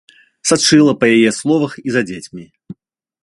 Сачыла, па яе словах, і за дзецьмі.